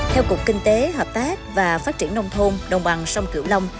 theo cục kinh tế hợp tác và phát triển nông thôn đồng bằng sông cửu long